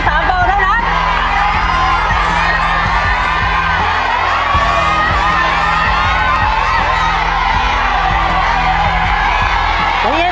ใจเย็นลุคใจเย็น